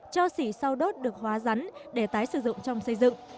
cho xỉ sau đốt được hóa rắn để tái sử dụng trong xây dựng